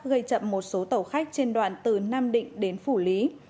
gây chậm một số tàu khách trên đoạn từ nam định đến phủ lý